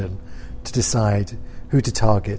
untuk memutuskan siapa yang ditarget